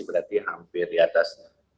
berarti hampir diatas